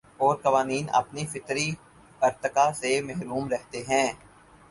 اور قوانین اپنے فطری ارتقا سے محروم رہتے ہیں